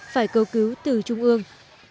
phải cầu cứu từ trung ương